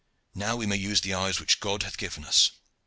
Now we may use the eyes which God hath given us."